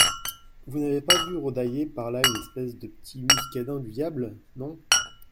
Vous n'avez pas vu rôdailler par là une espèce de petit muscadin du diable ? Non.